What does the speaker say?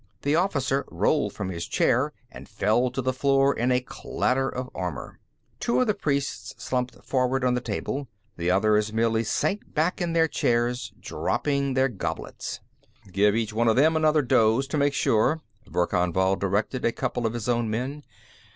The officer rolled from his chair and fell to the floor in a clatter of armor. Two of the priests slumped forward on the table. The others merely sank back in their chairs, dropping their goblets. "Give each one of them another dose, to make sure," Verkan Vall directed a couple of his own men.